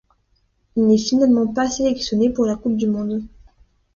Il n'est finalement pas sélectionné pour la Coupe du monde.